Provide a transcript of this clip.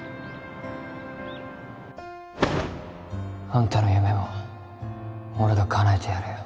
あんたの夢も俺がかなえてやるよ